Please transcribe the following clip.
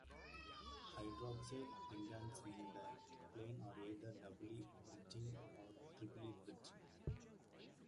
The hydroxide ligands in the plane are either doubly bridging or triply bridging.